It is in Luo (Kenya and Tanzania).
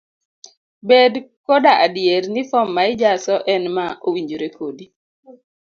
Bed koda adier ni fom ma ijaso en ma owinjore kodi.